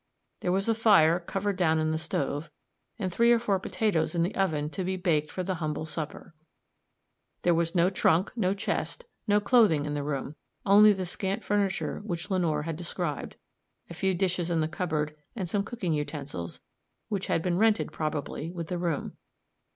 There was a fire covered down in the stove, and three or four potatoes in the oven to be baked for the humble supper. There was no trunk, no chest, no clothing in the room, only the scant furniture which Lenore had described, a few dishes in the cupboard, and some cooking utensils, which had been rented, probably, with the room.